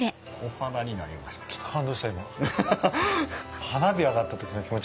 花火上がった時の気持ち。